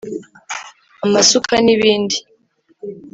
amasuka n’ibindi